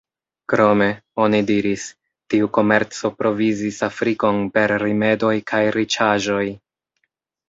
Krome, oni diris, tiu komerco provizis Afrikon per rimedoj kaj riĉaĵoj.